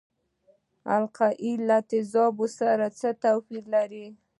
القلي له تیزابو سره څه توپیر لري.